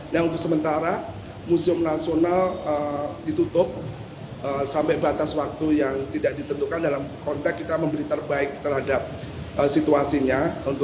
nah untuk sementara museum nasional ditutup sampai batas waktu yang tidak ditentukan dalam konteks kita memberi terbaik terhadap situasinya